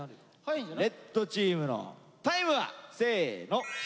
レッドチームのタイムはせの。